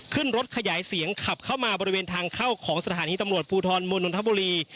ขึ้นรถขยายเสียงขับเข้ามาบริเวณทางเข้าของสถานีตำรวจภูทรเมืองนนทบุรี